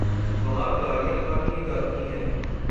وہاں گاڑیاں کم ہی جاتی ہیں ۔